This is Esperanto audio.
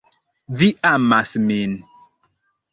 Vi amas min